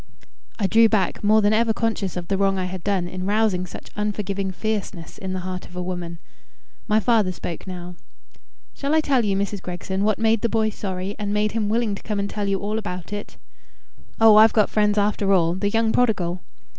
I drew back, more than ever conscious of the wrong I had done in rousing such unforgiving fierceness in the heart of a woman. My father spoke now. "Shall I tell you, Mrs. Gregson, what made the boy sorry, and made him willing to come and tell you all about it?" "Oh, I've got friends after all. The young prodigal!"